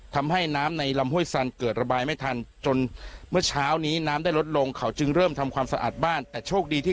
ทำให้น้ำในลำห้วยสันเกิดระบายไม่ทันจนเมื่อเช้านี้น้ำได้ลดลงเขาจึงเริ่มทำความสะอาดบ้านแต่โชคดีที่